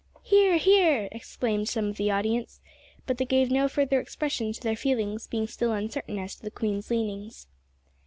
"Hear, hear!" exclaimed some of the audience; but they gave no further expression to their feelings, being still uncertain as to the queen's leanings.